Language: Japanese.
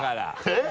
えっ？